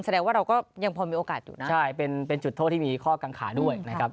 แสดงว่าเราก็พอมีโอกาสเป็นชุดโทษที่มีข้อกางขาด้วย